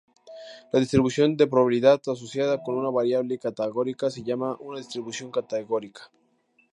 La distribución de probabilidad asociada con una variable categórica se llama una distribución categórica.